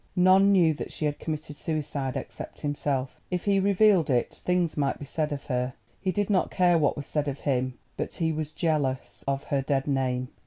None knew that she had committed suicide except himself. If he revealed it things might be said of her; he did not care what was said of him, but he was jealous of her dead name.